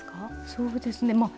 そうですねまあ